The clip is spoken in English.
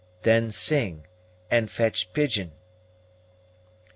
Then sing, and fetch pigeon."